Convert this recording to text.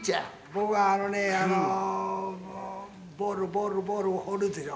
僕はあのねボールボールボールを放るでしょ。